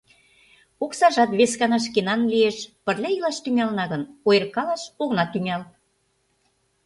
Оксажат вескана шкенан лиеш, пырля илаш тӱҥалына гын, ойыркалаш огына тӱҥал...